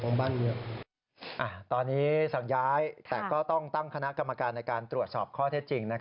แต่ต้องตั้งคณะกรรมการในการตรวจสอบข้อที่จริง